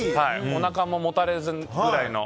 おなかももたれずぐらいの。